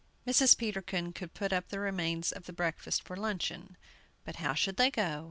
Mrs. Peterkin could put up the remains of the breakfast for luncheon. But how should they go?